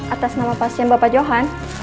atas nama pasien bapak johan